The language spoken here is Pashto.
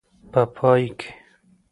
په پای کې.